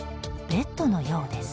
ベッドのようです。